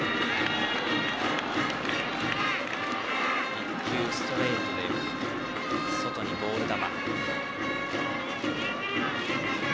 １球ストレートで外にボール球。